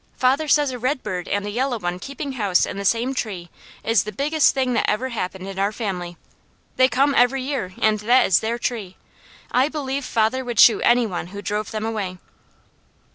Father says a red bird and a yellow one keeping house in the same tree is the biggest thing that ever happened in our family. They come every year and that is their tree. I believe father would shoot any one who drove them away."